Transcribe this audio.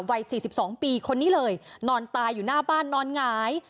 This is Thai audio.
วัย๔๒ปีคนนี้เลยนอนตายอยู่หน้าบ้านนอนหงาย